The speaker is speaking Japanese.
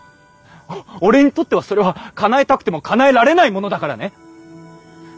俺にとってはそれはかなえたくてもかなえられないものだからね。